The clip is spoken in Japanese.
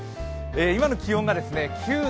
今の気温が９度。